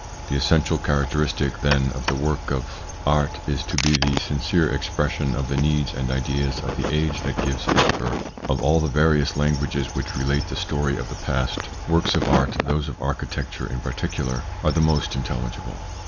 The essential characteristic, then, of the work of 78 THE PSYCHOLOGY OF PEOPLES : art is to be the sincere expression of the needs and ideas of the age that gives it birth. Of all the various languages which relate the story of the past, works of art, those of architecture in particular, are the most intelligible.